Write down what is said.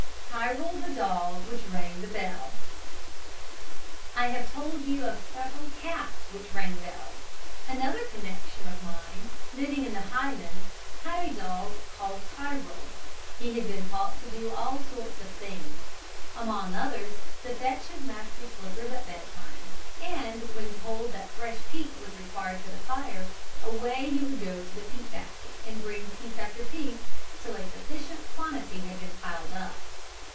Tyrol, the Dog which rang the Bell. I have told you of several cats which rang bells. Another connection of mine, living in the Highlands, had a dog called Tyrol. He had been taught to do all sorts of things. Among others, to fetch his master's slippers at bed time; and when told that fresh peat was required for the fire, away he would go to the peat basket and bring piece after piece, till a sufficient quantity had been piled up.